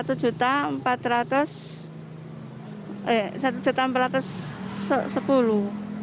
itu pasti selalu segitu